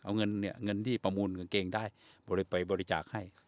เอาเงินที่ประมูลกางเกงได้ไปบริจาคให้